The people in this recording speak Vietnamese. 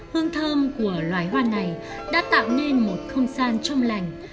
hương thơm của loài hoa này đã tạo nên một không gian trong lành